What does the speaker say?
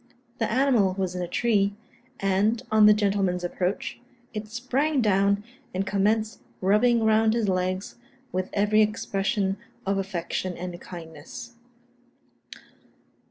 The animal was in a tree; and, on the gentleman's approach, it sprang down, and commenced rubbing round his legs, with every expression of affection and kindness.